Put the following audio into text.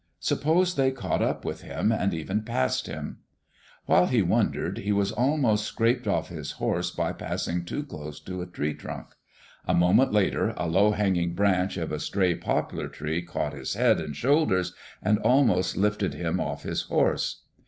Suppose they caught up with him, and even passed him I While he wondered, he was almost scraped off his horse by passing too close to a tree trunk. A moment later, a low hanging branch of a stray poplar tree caught his head and shoulders and almost lifted him off his horse.